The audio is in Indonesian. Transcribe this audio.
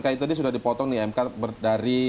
mk tadi sudah dipotong dari